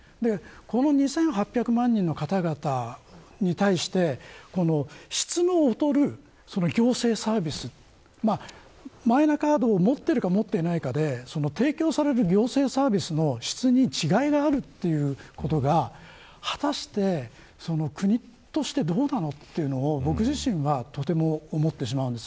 ２８００万人の方々に対して質の劣る行政サービスマイナカードを持っているか持っていないかで提供される行政サービスの質に違いがあるということが果たして、国としてどうなのというのを僕自身はとても思ってしまいます。